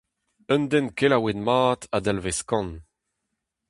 Un den kelaouet mat a dalvez kant.